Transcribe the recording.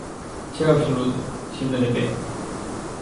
Cheo absoluto, xente de pé.